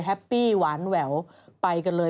แฮปปี้หวานแหววไปกันเลย